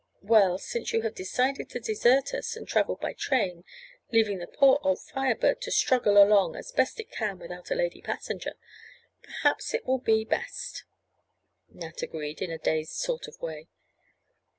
"Well, since you have decided to desert us, and travel by train, leaving the poor old Fire Bird to struggle along as best it can without a lady passenger, perhaps it will be best," Nat agreed, in a dazed sort of way.